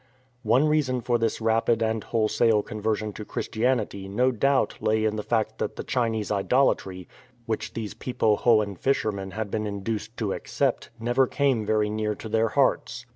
One reason for this rapid and wholesale conversion to Christianity no doubt lay in the fact that the Chinese idolatry which these Pe po hoan fishermen had been induced to accept never came very near to their hearts.